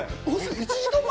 １時間前？